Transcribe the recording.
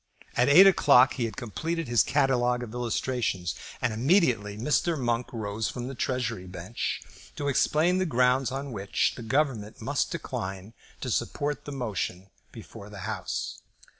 At eight o'clock he had completed his catalogue of illustrations, and immediately Mr. Monk rose from the Treasury bench to explain the grounds on which the Government must decline to support the motion before the House.